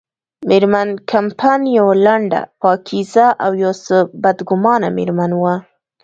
مېرمن کمپن یوه لنډه، پاکیزه او یو څه بدګمانه مېرمن وه.